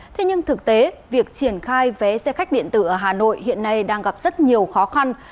thế nhưng thực tế việc triển khai vé xe khách điện tử ở hà nội hiện nay đang gặp rất nhiều khó khăn